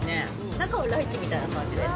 中はライチみたいな感じです。